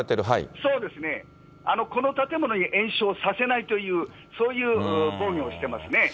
そうですね、この建物に延焼させないという、そういう防御をしてますね。